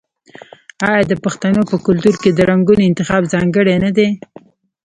آیا د پښتنو په کلتور کې د رنګونو انتخاب ځانګړی نه دی؟